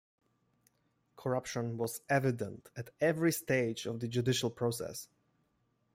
Corruption was evident at every stage of the judicial process.